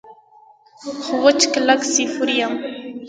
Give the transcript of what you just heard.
خو وچ کلک سیفور یم.